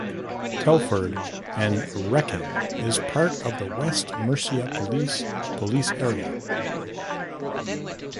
Telford and Wrekin is part of the West Mercia Police police area.